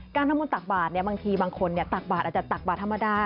ทำบุญตักบาทบางทีบางคนตักบาทอาจจะตักบาทธรรมดา